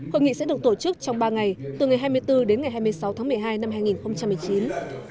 hội nghị sẽ được tổ chức trong ba ngày từ ngày hai mươi bốn đến ngày hai mươi sáu tháng một mươi hai năm hai nghìn một mươi chín